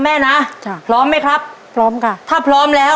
ก็มันรสเปรี้ยวเข็มมันมีครบบางทีก็เผ็ดนิดหน่อย